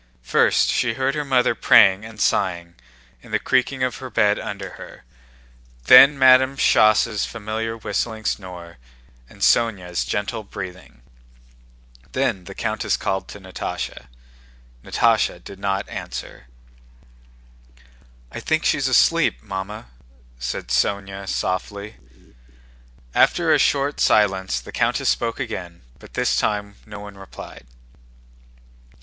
First she heard her mother praying and sighing and the creaking of her bed under her, then Madame Schoss' familiar whistling snore and Sónya's gentle breathing. Then the countess called to Natásha. Natásha did not answer. "I think she's asleep, Mamma," said Sónya softly. After a short silence the countess spoke again but this time no one replied.